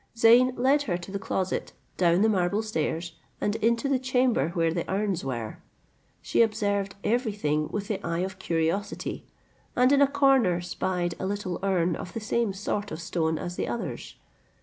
Zeyn led her to the closet, down the marble stairs, and into the chamber where the urns were. She observed every thing with the eye of curiosity, and in a corner spied a little urn of the same sort of stone as the others.